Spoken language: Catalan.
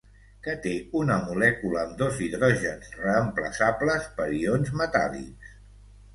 Que té una molècula amb dos hidrògens reemplaçables per ions metàl·lics.